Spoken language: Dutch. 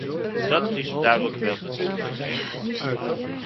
Dat is het duidelijke beeld dat ik heb gekregen.